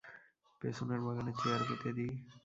পেছনের বাগানে চেয়ার পেতে দি।